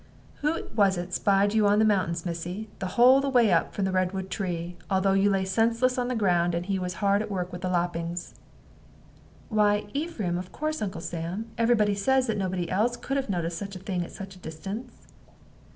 "Who was it spied you on the mountains, missy, the whole of the way from the redwood tree, although you lay senseless on the ground, and he was hard at work with the loppings?" "Why, Ephraim, of course, Uncle Sam; every body says that nobody else could have noticed such a thing at such a distance."